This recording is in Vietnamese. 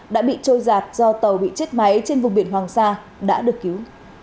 đã bị trôi giạt do tàu bị chết máy trên vùng biển hoàng sa đã được cứu